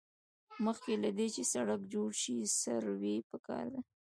مخکې له دې چې سړک جوړ شي سروې پکار ده